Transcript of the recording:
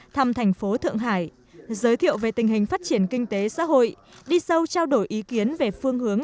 thăm thành phố thượng hải giới thiệu về tình hình phát triển kinh tế xã hội đi sâu trao đổi ý kiến về phương hướng